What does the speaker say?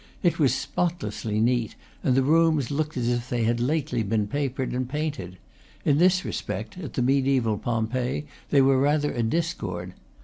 It was spotlessly neat, and the rooms looked as if they had lately been papered and painted: in this respect, at the mediaeval Pompeii, they were rather a discord.